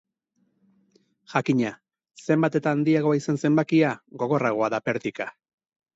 Jakina, zenbat eta handiagoa izan zenbakia, gogorragoa da pertika.